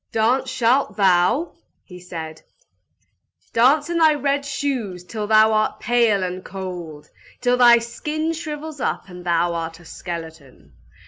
"Dance shalt thou!" said he. "Dance in thy red shoes till thou art pale and cold! Till thy skin shrivels up and thou art a skeleton!